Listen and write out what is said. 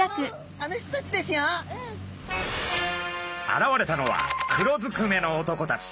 現れたのは黒ずくめの男たち。